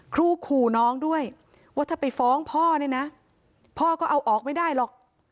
ขู่น้องด้วยว่าถ้าไปฟ้องพ่อเนี่ยนะพ่อก็เอาออกไม่ได้หรอก